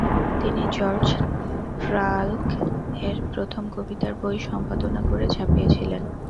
তিনি George Trakl এর প্রথম কবিতার বই সম্পাদনা করে ছাপিয়েছিলেন ।